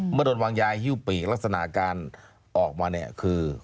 โดนวางยายฮิ้วปีกลักษณะการออกมาเนี่ยคือ